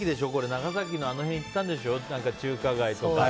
長崎のあの辺行ったんでしょ中華街とか。